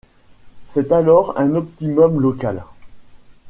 C'est alors un optimum local.